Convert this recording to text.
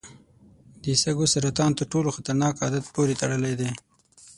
د سږو سرطان تر ټولو خطرناک عادت پورې تړلی دی.